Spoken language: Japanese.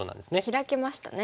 ヒラけましたね。